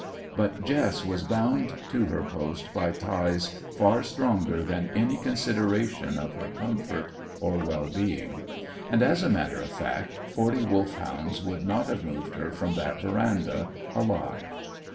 But Jess was bound to her post by ties far stronger than any consideration of her own comfort or well being; and, as a matter of fact, forty Wolfhounds would not have moved her from that verandah alive.